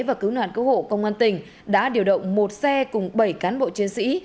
và cứu nạn cứu hộ công an tỉnh đã điều động một xe cùng bảy cán bộ chiến sĩ